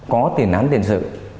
có tiền án tiền sự